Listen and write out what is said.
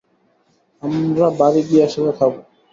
আমরা বাড়ি গিয়ে একসাথে খাবো?